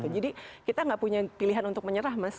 jadi kita gak punya pilihan untuk menyerah mas